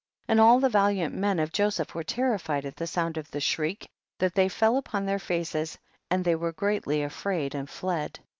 40. And all the valiant men of Joseph were terrified at the sound of the shriek, that they fell upon their faces, and they were greatly afraid and fled.